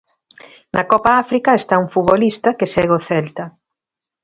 Na Copa África está un futbolista que segue o Celta.